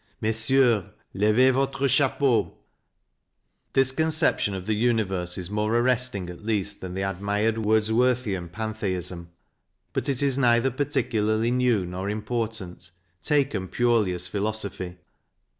" Messieurs, levez votre chapeau." This conception of the universe is more arresting at least than the admired Wordsworthian pantheism ; but it is neither particularly new nor important, taken purely as philosophy.